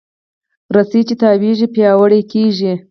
رسۍ چې تاوېږي، پیاوړې کېږي.